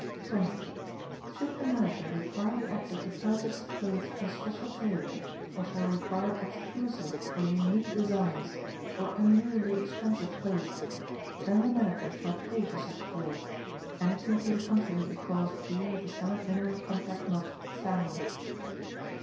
20. Should the Manager require the Actor to purchase his clothes from a special tailor or shall require exclusive or unique designs or unusually expensive clothes, then the Manager shall pay for such clothes, anything to the contrary in Clause G of the Standard Minimum Contract notwithstanding.